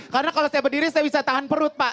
karena kalau saya berdiri saya bisa tahan perut pak